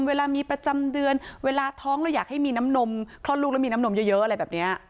เวลามีประจำเดือนเวลาท้องเราอยากให้มีน้ำนมคลอดลูกแล้วมีน้ำนมเยอะอะไรแบบนี้